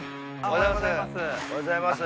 おはようございます。